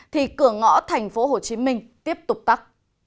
thì cửa ngõ thành phố hồ chí minh tiếp tục tắt